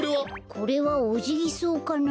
これはオジギソウかな？